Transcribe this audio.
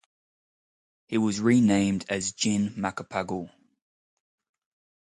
He was renamed as Jin Macapagal.